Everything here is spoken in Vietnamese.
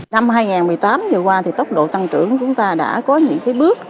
năm hai nghìn một mươi tám vừa qua thì tốc độ tăng trưởng của chúng ta đã có những bước